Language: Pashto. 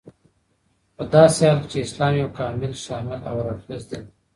پداسي حال كې چې اسلام يو كامل، شامل او هر اړخيز دين دى